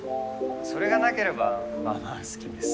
それがなければまあまあ好きです。